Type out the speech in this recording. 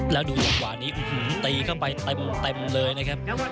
แล้วดูดักหว่านี้อื้อหือตีเข้าไปเต็มเลยนะครับ